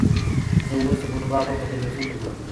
زه اوس د فوټبال لوبه په تلویزیون کې ګورم.